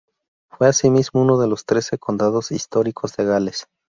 Fue asimismo uno de los trece condados históricos de Gales.